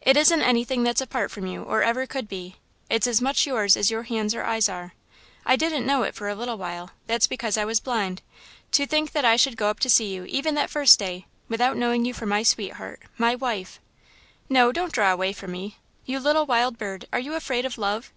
It isn't anything that's apart from you, or ever could be; it's as much yours as your hands or eyes are. I didn't know it for a little while that's because I was blind. To think that I should go up to see you, even that first day, without knowing you for my sweetheart my wife!" "No, don't draw away from me. You little wild bird, are you afraid of Love?